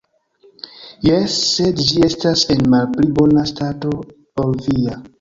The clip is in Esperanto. Jes, sed ĝi estas en malpli bona stato ol via.